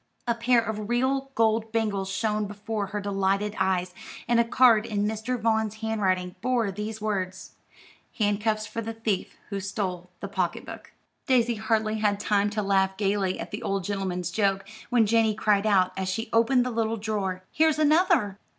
A pair of real gold bangles shone before her delighted eyes, and a card in Mr. Vaughn's handwriting bore these words: "Handcuffs for the thief who stole the pocketbook." Daisy hardly had time to laugh gayly at the old gentleman's joke, when Janey cried out, as she opened the little drawer, "Here's another!"